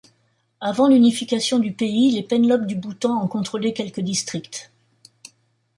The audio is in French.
Avant l'unification du pays, les penlops du Bhoutan en contrôlaient quelques districts.